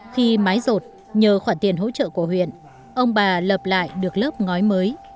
khi mái rột nhờ khoản tiền hỗ trợ của huyện ông bà lập lại được lớp ngói mới